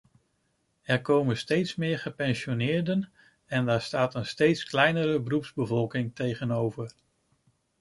Er komen steeds meer gepensioneerden en daar staat een steeds kleinere beroepsbevolking tegenover.